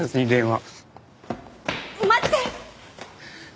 待って！